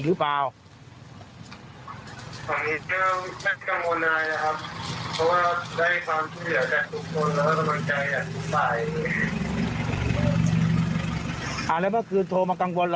ในบาสกับแฟนสาวก็ให้กลับบ้านได้เล็กน้อย